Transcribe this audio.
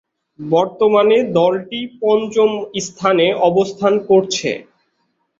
বর্তমানে দলটি পঞ্চম স্থানে অবস্থান করছে।